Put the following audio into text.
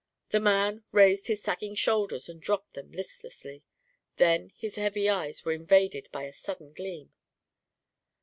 The man raised his sagging shoulders and dropped them listlessly. Then his heavy eyes were invaded by a sudden gleam.